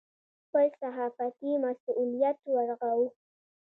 خپل صحافتي مسوولیت ورغوو.